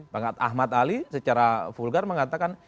bang ahmad ali secara vulgar mengatakan